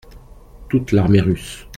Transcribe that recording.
Toute l’Armée russe.